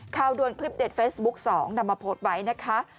ข่าวด้วยคลิปเด็ดเฟซบุ๊กสองนำมาโพสต์ไว้นะคะ